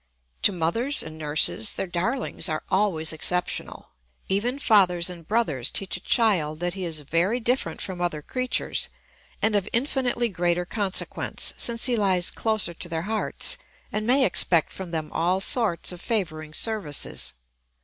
To mothers and nurses their darlings are always exceptional; even fathers and brothers teach a child that he is very different from other creatures and of infinitely greater consequence, since he lies closer to their hearts and may expect from them all sorts of favouring services.